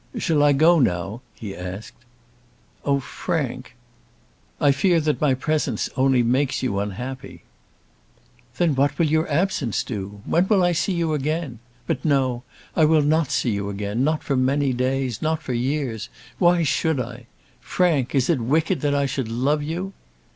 "Shall I go now?" he asked. "Oh Frank!" "I fear that my presence only makes you unhappy." "Then what will your absence do? When shall I see you again? But, no; I will not see you again. Not for many days, not for years. Why should I? Frank, is it wicked that I should love you?"